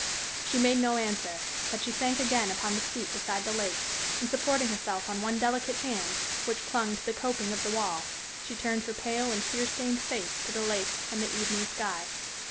She made no answer; but she sank again upon the seat beside the lake, and supporting herself on one delicate hand, which clung to the coping of the wall, she turned her pale and tear stained face to the lake and the evening sky.